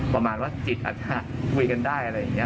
ประมาณว่าจิตอาจจะคุยกันได้อะไรอย่างนี้